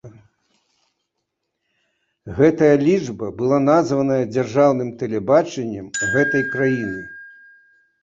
Гэтая лічба была названая дзяржаўным тэлебачаннем гэтай краіны.